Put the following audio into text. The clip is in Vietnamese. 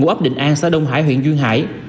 ấp định an xã đông hải huyện duyên hải